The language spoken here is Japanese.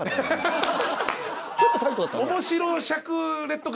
ちょっとタイトだったね。